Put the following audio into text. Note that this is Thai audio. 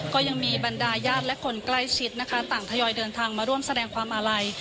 ก็ยังมีบรรดาญาติและคนใกล้ชิดนะคะต่างทยอยเดินทางมาร่วมแสดงความอาลัย